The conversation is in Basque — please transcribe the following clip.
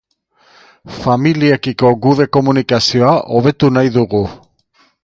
Familiekiko gure komunikazio hobetu nahi dugu.